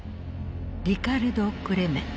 リカルド・クレメント。